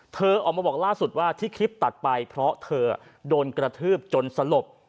เธอออกมาบอกล่าสุดว่าที่คลิปตัดไปเพราะเธอโดนกระทืบจนสลบ